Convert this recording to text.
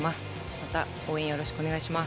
また応援よろしくお願いします。